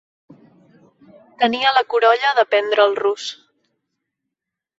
Tenia la curolla d'aprendre el rus.